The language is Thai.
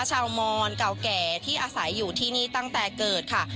มอนเก่าแก่ที่อาศัยอยู่ที่นี่ตั้งแต่เกิดค่ะ